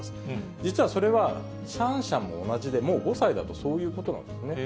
実はそれはシャンシャンも同じで、もう５歳だとそういうことなんですね。